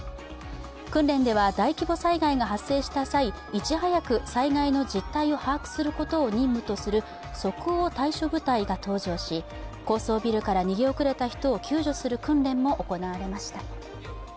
訓練では大規模災害が発生した際いち早く災害の実態を把握することを任務とする即応対処部隊が登場し高層ビルから逃げ遅れた人を救助する訓練も行われました。